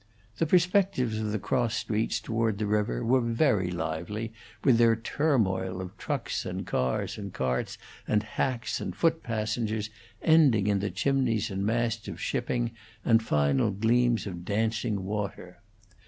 The perspectives of the cross streets toward the river were very lively, with their turmoil of trucks and cars and carts and hacks and foot passengers, ending in the chimneys and masts of shipping, and final gleams of dancing water.